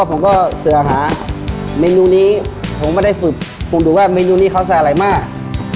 ผมไม่ได้ฝึกคุณดูว่าเมนูนี้เขาใส่อะไรมาก